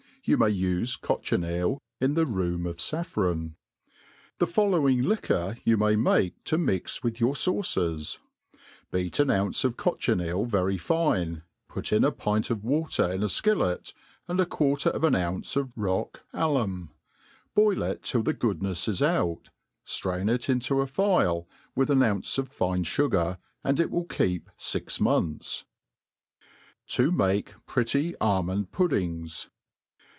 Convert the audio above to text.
You inay ufe cochineal in the room of faiFron* The following liquor you may make to mix with your fauces: beat an ounce of cochineal very fine, put in a pint of water in a fkillet, and a quarter of an ounce of roch alum : tK>iI it till the goodnefs is out, ftrain it into a phial, with an ounce of fine fugar, and it will keep fix months. To maki pritty Ahmud Pud£ngs.